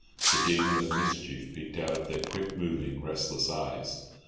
The demon of mischief peeped out of their quick moving, restless eyes.